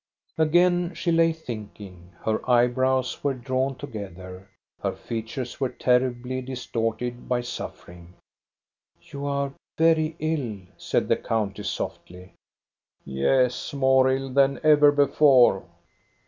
Again she lay thinking. Her eyebrows were drawn together, her features were terribly distorted by suffering. " You are very ill," said the countess, softly. " Yes, more ill than ever before."